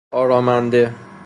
آرامنده